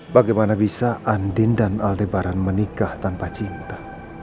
bagaimana bisa andin dan aldebaran menikah tanpa cinta